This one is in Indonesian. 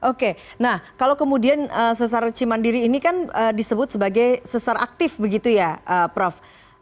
oke nah kalau kemudian sesar cimandiri ini kan disebut sebagai sesar aktif begitu ya prof